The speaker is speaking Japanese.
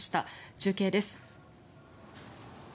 中継です。